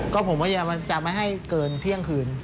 ก็ผมพยายามจะไม่ให้เกินเที่ยงคืน